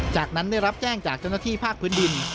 จากนั้นได้รับแจ้งจากเจ้าหน้าที่ภาคพื้นดิน